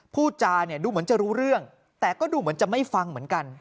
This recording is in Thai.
พูดจาเนี่ยดูเหมือนจะรู้เรื่องแต่ก็ดูเหมือนจะไม่ฟังเหมือนกัน